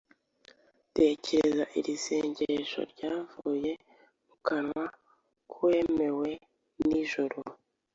Tekereza iri sengesho ryavuye mu kanwa k’uwemewe n’ijuru.